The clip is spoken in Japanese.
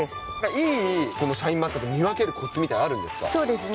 いいシャインマスカット、見分けるこつみたいのあるんですか。